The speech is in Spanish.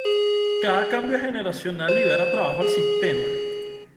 Cada cambio generacional libera trabajo al sistema.